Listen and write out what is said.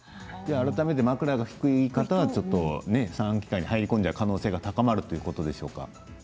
改めて枕の低い方は三半規管に入り込んじゃう可能性が高まるということですか。